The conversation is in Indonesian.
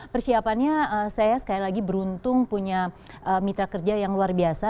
persiapannya saya sekali lagi beruntung punya mitra kerja yang luar biasa